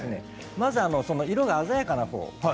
まず色が鮮やかなほうですね。